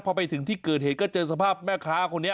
พอไปถึงที่เกิดเหตุก็เจอสภาพแม่ค้าคนนี้